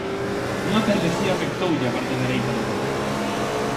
Unha perlesía afectoulle a parte dereita do corpo.